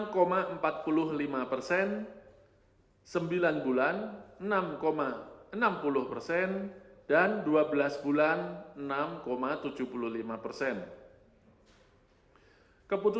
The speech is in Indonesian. keputusan tersebut sejalan dengan rencana reformulasi suku bunga